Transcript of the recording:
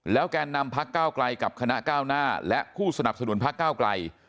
แกนนำพักก้าวไกลกับคณะก้าวหน้าและผู้สนับสนุนพักก้าวไกล